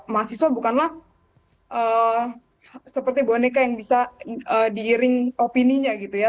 mahasiswa bukanlah seperti boneka yang bisa diiring opininya gitu ya